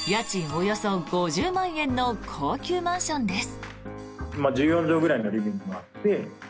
およそ５０万円の高級マンションです。